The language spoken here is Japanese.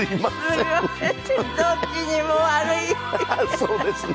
そうですね。